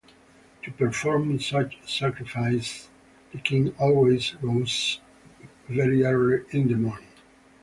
To perform such sacrifices, the king always rose very early in the morning.